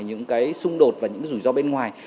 những cái xung đột và những cái rủi ro bên ngoài